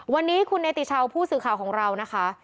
วันนี้คุณเนติชาวผู้สื่อข่าวของเรานะคะ